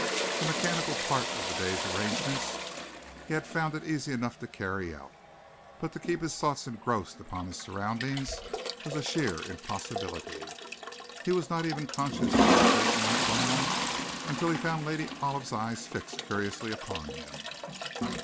The mechanical part of the day's arrangements he had found it easy enough to carry out, but to keep his thoughts engrossed upon his surroundings was a sheer impossibility. He was not even conscious when the curtain went down, until he found Lady Olive's eyes fixed curiously upon him.